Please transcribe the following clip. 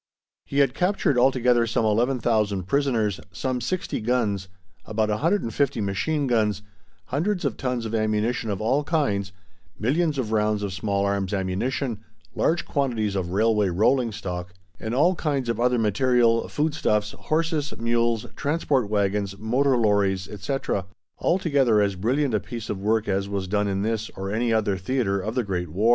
He had captured altogether some 11,000 prisoners, some 60 guns, about 150 machine guns, hundreds of tons of ammunition of all kinds, millions of rounds of small arms ammunition, large quantities of railway rolling stock, and all kinds of other material, foodstuffs, horses, mules, transport wagons, motor lorries, etc. altogether as brilliant a piece of work as was done in this or any other theatre of the Great War.